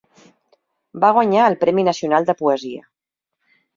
Va guanyar el Premi Nacional de Poesia.